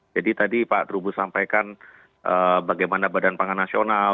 jadi tadi pak terubu sampaikan bagaimana badan panggang nasional